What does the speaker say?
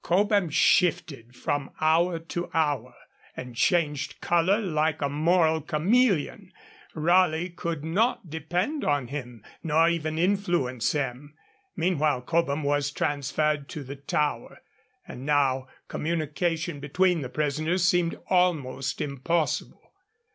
Cobham shifted from hour to hour, and changed colour like a moral chameleon; Raleigh could not depend on him, nor even influence him. Meanwhile Cobham was transferred to the Tower, and now communication between the prisoners seemed almost impossible.